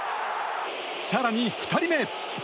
更に、２人目。